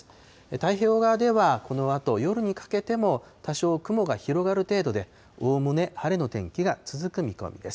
太平洋側ではこのあと夜にかけても、多少雲が広がる程度で、おおむね晴れの天気が続く見込みです。